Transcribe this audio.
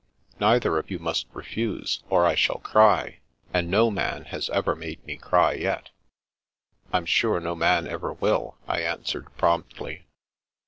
Neither of you must refuse, or I shall cry, and no man has ever made me cry yet." " Fm sure no man ever will," I answered promptly.